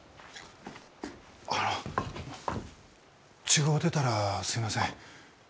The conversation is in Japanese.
あの違うてたらすいません。